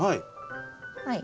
はい。